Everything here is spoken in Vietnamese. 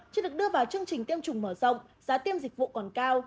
chưa được đưa vào chương trình tiêm chủng mở rộng giá tiêm dịch vụ còn cao